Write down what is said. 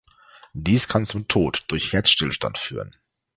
Dies kann zum Tod durch Herzstillstand führen.